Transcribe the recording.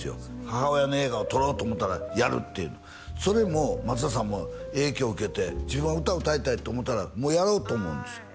母親の映画を撮ろうと思ったらやるって言うのそれも松田さんは影響受けて自分は歌を歌いたいと思ったからもうやろうと思うんですよ